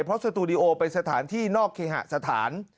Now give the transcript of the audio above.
เพราะสตูดิโอเป็นสถานที่นอกเคหสถาน